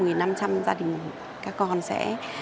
gia đình các con sẽ